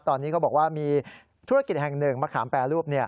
ตอนนี้เขาบอกว่ามีธุรกิจแห่งหนึ่งมะขามแปรรูป